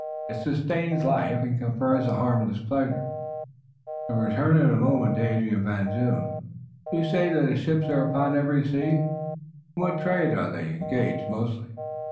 "It sustains life and confers a harmless pleasure." "To return a moment to Adrian Van Zoon. You say that his ships are upon every sea. In what trade are they engaged, mostly?"